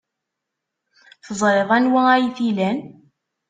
Teẓriḍ anwa ay t-ilan?